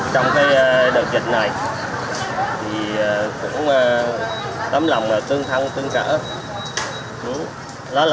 trong cái đợt dịch này tâm lòng tương thân tương cỡ